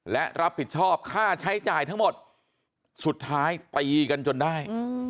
และรับผิดชอบค่าใช้จ่ายทั้งหมดสุดท้ายตีกันจนได้